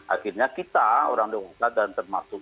akhirnya kita orang demokrat dan termasuk